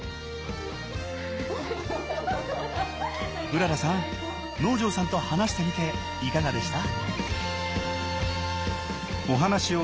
うららさん能條さんと話してみていかがでした？